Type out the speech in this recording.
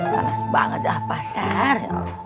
panas banget dah pasar